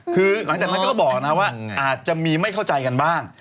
คือหลังจากนั้นก็บอกนะว่าอาจจะมีไม่เข้าใจกันบ้าง